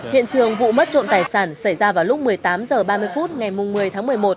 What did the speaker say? hiện trường vụ mất trộm tài sản xảy ra vào lúc một mươi tám h ba mươi phút ngày một mươi tháng một mươi một